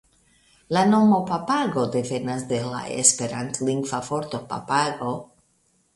La nomo "Papago" devenas de la esperantlingva vorto papago.